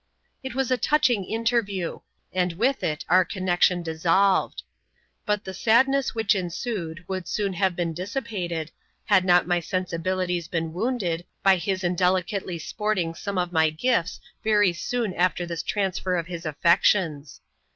It was a touching interview, and with it our connection dis Bolved. But the sadness which ensued would soon have been dissipated, had not my sensibilities been wounded by his indeli cately sporting some of my gifts very soon after this transfer of bis affections.